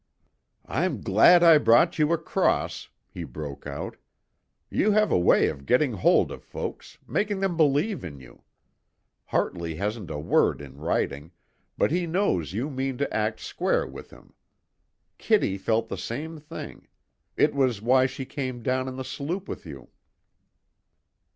"I'm glad I brought you across," he broke out. "You have a way of getting hold of folks, making them believe in you. Hartley hasn't a word in writing, but he knows you mean to act square with him. Kitty felt the same thing it was why she came down in the sloop with you."